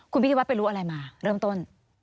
คุณพิธีวัฒไปรู้อะไรมาเริ่มต้น